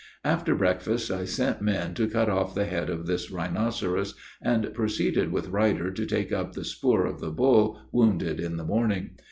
After breakfast I sent men to cut off the head of this rhinoceros, and proceeded with Ruyter to take up the spoor of the bull wounded in the morning.